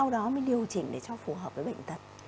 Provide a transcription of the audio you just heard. đó mới điều chỉnh để cho phù hợp với bệnh tật